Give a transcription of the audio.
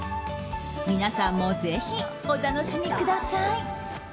皆さんもぜひお楽しみください。